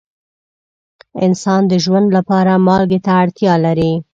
انسان د ژوند لپاره مالګې ته اړتیا لري.